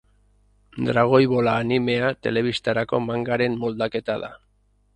Dragoi Bola animea telebistarako mangaren moldaketa da.